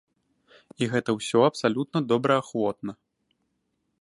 І гэта ўсё абсалютна добраахвотна.